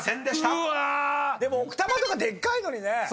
でも奥多摩とかでっかいのにね。